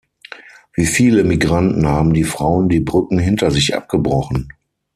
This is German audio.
Wie viele Migranten haben die Frauen die Brücken hinter sich abgebrochen.